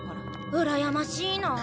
うらやましいなあ。